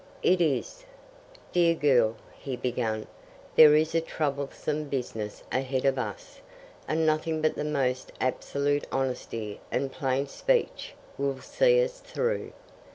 "It is." "Dear girl," he began, "there is a troublesome business ahead of us, and nothing but the most absolute honesty and plain speech will see us through."